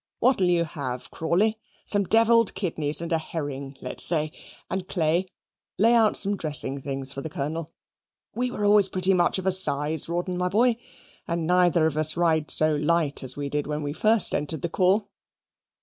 "What'll you have, Crawley? Some devilled kidneys and a herring let's say. And, Clay, lay out some dressing things for the Colonel: we were always pretty much of a size, Rawdon, my boy, and neither of us ride so light as we did when we first entered the corps."